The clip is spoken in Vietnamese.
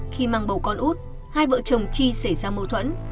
khi mang bầu con út hai vợ chồng chi xảy ra mâu thuẫn